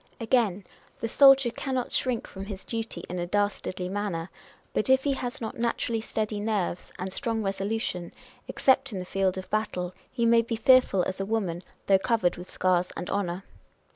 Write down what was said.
Again, the soldier cannot shrink from his duty in a dastardly manner ; but if he has not naturally steady nerves and strong resolution â€" except in the field of battle, he may be fearful as a woman, though covered with scars and honour.